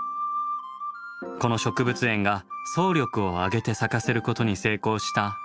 この植物園が総力を挙げて咲かせることに成功した花なんです。